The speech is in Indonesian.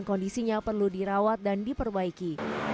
dan kondisinya perlu dirawat dan diperbaiki